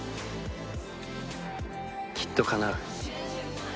きっとかなう。